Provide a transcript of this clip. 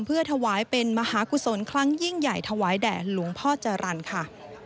เพื่อถวายเป็นมหากุศลครั้งยิ่งใหญ่ถวายแด่หลวงพ่อจรรย์ค่ะ